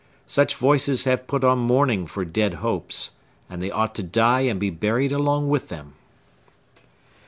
Such voices have put on mourning for dead hopes; and they ought to die and be buried along with them!